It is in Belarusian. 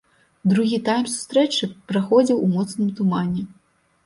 Другі тайм сустрэчы праходзіў у моцным тумане.